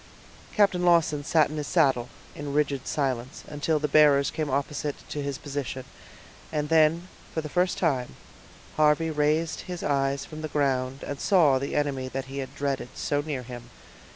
Captain Lawton sat in his saddle, in rigid silence, until the bearers came opposite to his position, and then, for the first time, Harvey raised his eyes from the ground, and saw the enemy that he dreaded so near him.